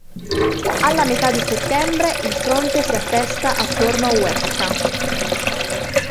Alla metà di settembre il fronte si attesta attorno a Huesca.